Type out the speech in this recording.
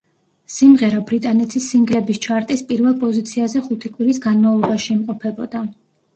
სიმღერა ბრიტანეთის სინგლების ჩარტის პირველ პოზიციაზე ხუთი კვირის განმავლობაში იმყოფებოდა.